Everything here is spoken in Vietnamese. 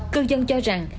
cư dân cho rằng